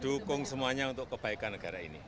dukung semuanya untuk kebaikan negara ini